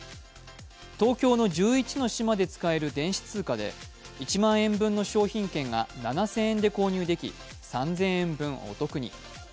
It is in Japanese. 東京の１１の島で使える電子通貨で、１万円分の商品券が７０００円で購入でき３０００円分お得に。